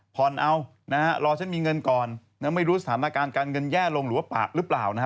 ผ่อนเอานะฮะรอฉันมีเงินก่อนไม่รู้สถานการณ์การเงินแย่ลงหรือว่าปะหรือเปล่านะฮะ